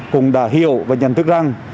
cũng đã hiểu và nhận thức rằng